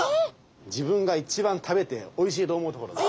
自分が一番食べておいしいと思うところです。